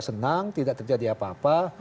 senang tidak terjadi apa apa